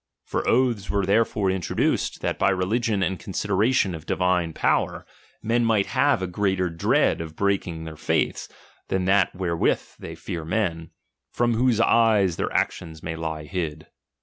For oaths were therefore introduced, that by religion and consideration of the divine power, men might have a greater dread of breaking their faiths, than that wherewith they fear men, from whose eyes their actions may lie hid.